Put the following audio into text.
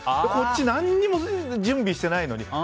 こっち、何も準備してないのに。